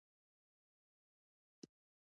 محمدُ رَّسول الله د ټول عالم لپاره رحمت دی